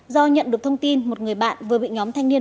do nhận được thông tin một người bạn vừa bị nhóm thanh niên